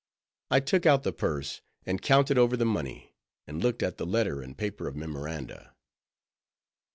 I took out the purse, and counted over the money, and looked at the letter and paper of memoranda.